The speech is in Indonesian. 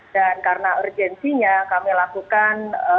dan karena urgensinya kami lakukan